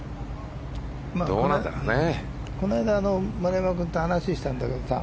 この間、丸山君と話をしたんだけどさ。